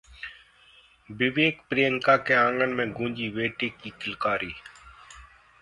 विवेक-प्रियंका के आंगन में गूंजी बेटे की किलकारी